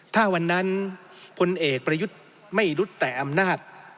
ถ้าวันนั้นพลเอกประยุทธ์ไม่รู้แต่อำนาจ